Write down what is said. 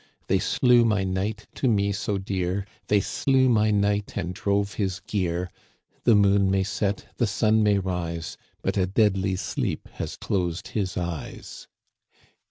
They slew my knight, to me so dear ; They slew my knight, and drove his gear ; The moon may set, the sun may rise, But a deadly sleep has closed his eyes.